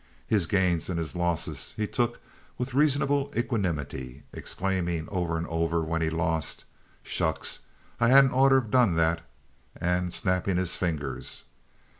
His gains and his losses he took with reasonable equanimity, exclaiming over and over, when he lost: "Shucks! I hadn't orter have done that," and snapping his fingers.